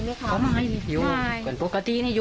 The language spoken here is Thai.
ถ้าเป็นคนร้าย